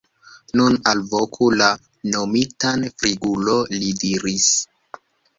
Nun alvoku la nomitan Frigulo, li diris.